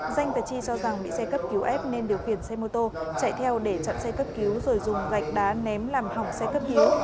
danh và chi cho rằng bị xe cấp cứu ép nên điều khiển xe mô tô chạy theo để chặn xe cấp cứu rồi dùng gạch đá ném làm hỏng xe cấp hiếu